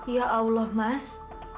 ya allah mas